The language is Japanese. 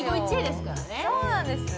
そうなんですよ